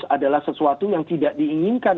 adalah sesuatu yang tidak diinginkan